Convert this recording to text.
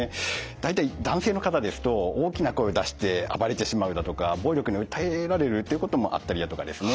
大体男性の方ですと大きな声を出して暴れてしまうだとか暴力に訴えられるっていうこともあったりだとかですね。